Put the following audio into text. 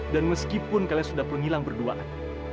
dan meskipun kalian sudah pernah hilang berduaan